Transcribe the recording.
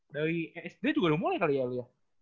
dari sd juga udah mulai kali ya lu ya